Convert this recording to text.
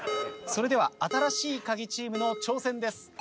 それでは新しいカギチームの挑戦です。